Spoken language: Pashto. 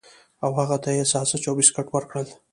او هغه ته یې ساسج او بسکټ ورکړل